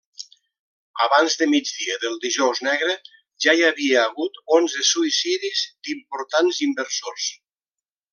Abans de migdia del Dijous Negre, ja hi havia hagut onze suïcidis d'importants inversors.